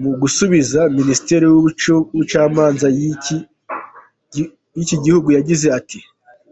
Mu gusubiza, minisiteri y'ubucamanza y'iki gihugu yagize iti:.